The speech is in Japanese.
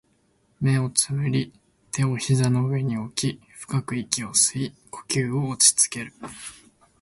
目を瞑り、手を膝の上に置き、深く息を吸い、呼吸を落ち着ける